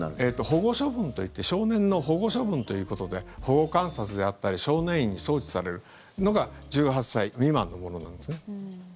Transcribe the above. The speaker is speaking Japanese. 保護処分といって少年の保護処分ということで保護観察であったり少年院に送致されるのが１８歳未満の者なんですね。